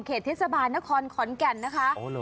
เทศบาลนครขอนแก่นนะคะ